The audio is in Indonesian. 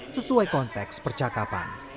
sesuai konteks percakapan